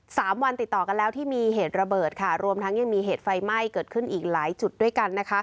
สามวันติดต่อกันแล้วที่มีเหตุระเบิดค่ะรวมทั้งยังมีเหตุไฟไหม้เกิดขึ้นอีกหลายจุดด้วยกันนะคะ